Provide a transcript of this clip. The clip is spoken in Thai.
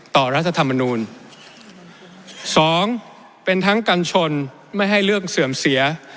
รัฐธรรมนูลสองเป็นทั้งกัญชนไม่ให้เรื่องเสื่อมเสีย